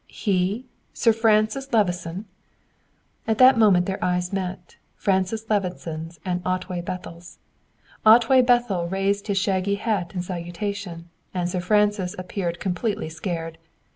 He Sir Francis Levison?" At that moment their eyes met, Francis Levison's and Otway Bethel's. Otway Bethel raised his shaggy hat in salutation, and Sir Francis appeared completely scared.